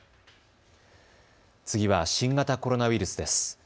次は新型コロナウイルスです。